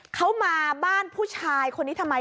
เขามาบ้านผู้ชายคนนี้ทำไม